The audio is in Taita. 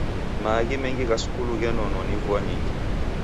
Maaghi mengi gha skulu ghenonwa ni vua nyingi.